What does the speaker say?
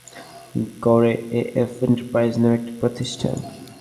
মিথ্যা ঘোষণা দিয়ে এগুলো আমদানি করে এএফ এন্টারপ্রাইজ নামে একটি প্রতিষ্ঠান।